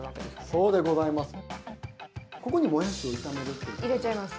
そうでございます。